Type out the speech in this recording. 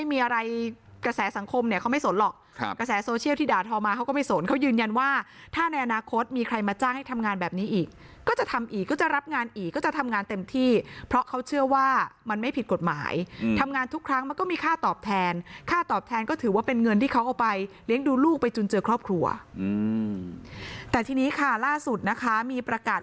ไม่หวั่นต่อสิ่งร้าวรับจ้างแบบนี้มันก็สุจฤทธิ์มันยังไม่ได้ผิดกฎหมาย